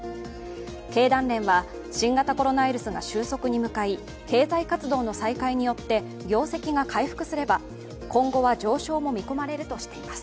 経団連は、新型コロナウイルスが収束に向かい経済活動の再開によって業績が回復すれば今後は上昇も見込まれるとしています。